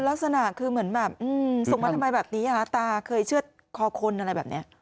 ก็ไม่สบายใจรักษณะคือเหมือนส่งมาทำไมแบบนี้ตาเคยเชื่อขอคนอะไรแบบนี้